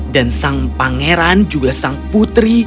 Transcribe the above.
sang pangeran juga sang putri